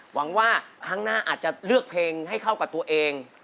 หวังว่าครั้งหน้าอาจจะเลือกเพลงให้เข้ากับตัวเอง